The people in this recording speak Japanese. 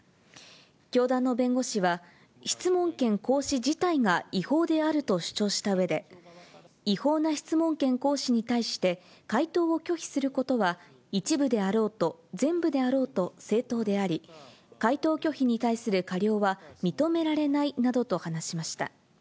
教団の弁護士は、質問権行使自体が違法であると主張したうえで、違法な質問権行使に対して、回答を拒否することは、一部であろうと全部であろうと正当であり、回答拒否に対する過料は認められないなどと話しました。